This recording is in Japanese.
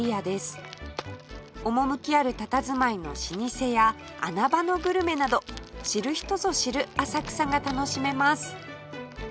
趣あるたたずまいの老舗や穴場のグルメなど知る人ぞ知る浅草が楽しめます